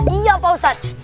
iya pak ustadz